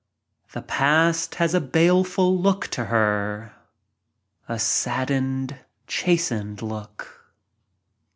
The Past has a baleful look to her — a saddened, chastened look.